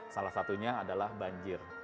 salah satunya adalah banjir